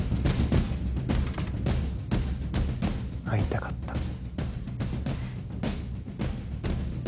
会いたかった。